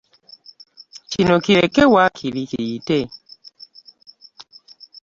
Kino kireke waakiri kiyite.